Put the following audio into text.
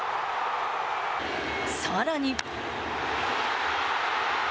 さらに。